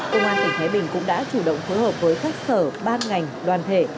công an tỉnh thái bình cũng đã chủ động phối hợp với các sở ban ngành đoàn thể